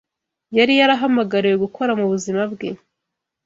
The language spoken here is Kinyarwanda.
yari yarahamagariwe gukora mu buzima bwe